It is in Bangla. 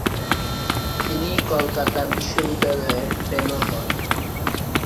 তিনি কলকাতা বিশ্ববিদ্যালয়ের ফেলো হন।